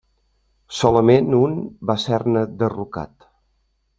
Solament un va ser-ne derrocat.